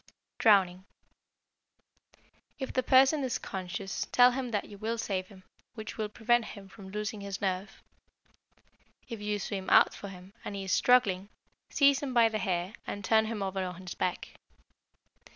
Drowning If the person is conscious tell him that you will save him, which will prevent him from losing his nerve. If you swim out for him, and he is struggling, seize him by the hair and turn him over on his back.